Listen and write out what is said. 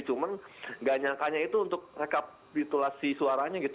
cuman gak nyangkanya itu untuk rekapitulasi suaranya gitu